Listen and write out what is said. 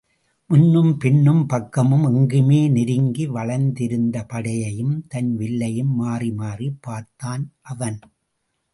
முன்னும் பின்னும் பக்கமும் எங்குமே நெருங்கி வளைத்திருந்த படையையும் தன் வில்லையும் மாறிமாறிப் பார்த்தான் அவன்.